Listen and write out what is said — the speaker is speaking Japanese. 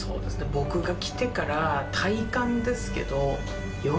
僕が来てから体感ですけど何？